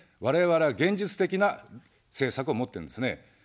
我々は現実的な政策を持ってるんですね。